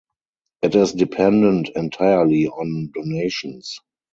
It is dependent entirely on donations.